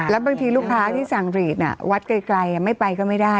แล้วบางทีลูกค้าที่สั่งรีดวัดไกลไม่ไปก็ไม่ได้